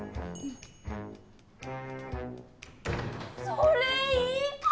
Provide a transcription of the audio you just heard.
それいいかも！